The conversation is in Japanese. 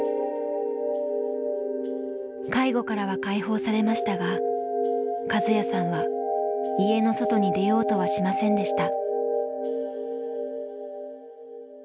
介護からは解放されましたがカズヤさんは家の外に出ようとはしませんでした。